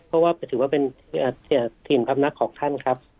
เพราะว่าถือว่าเป็นถิ่นพำนักของท่านครับ